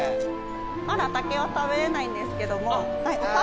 まだ竹は食べれないんですけども。